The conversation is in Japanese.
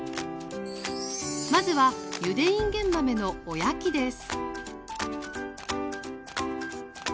まずはゆでいんげん豆のお焼きです